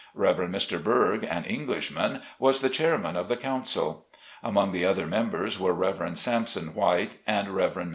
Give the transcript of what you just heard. Rev. Mr. Burg, an Englishman, was the chairman of the council. Among the other members were Rev. Sampson White, and Rev. Mr.